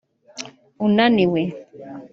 unaniwe